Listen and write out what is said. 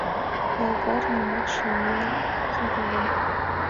Йогорын мутшым мый кӱрльым.